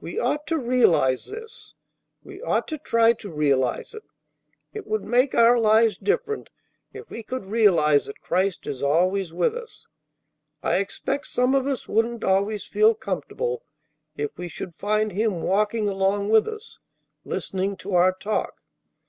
We ought to realize this. We ought to try to realize it. It would make our lives different if we could realize that Christ is always with us. I expect some of us wouldn't always feel comfortable if we should find Him walking along with us, listening to our talk.